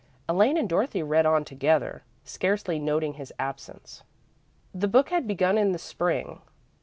Elaine and Dorothy read on together, scarcely noting his absence. The book had begun in the Spring.